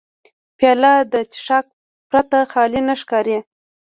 پیاله له څښاک پرته خالي نه ښکاري.